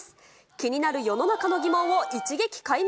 気になる世の中の疑問を一撃解明。